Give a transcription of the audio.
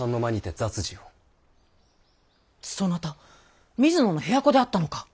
そなた水野の部屋子であったのか。